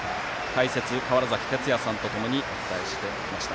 解説、川原崎哲也さんとお伝えしてきました。